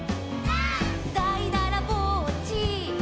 「」「だいだらぼっち」「」